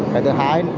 cái thứ hai